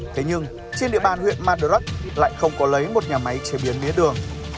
thế nhưng trên địa bàn huyện madurak lại không có lấy một nhà máy chế biến mía đường